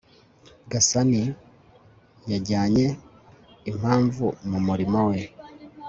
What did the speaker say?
gasani yajyanye imhamvu mu murimo we